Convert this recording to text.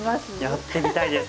やってみたいです！